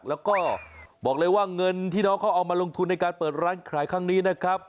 แล้วก็บอกเลยว่าเงินที่น้องเขาเอามาลงทุนในการเปิดร้านขายครั้งนี้นะครับ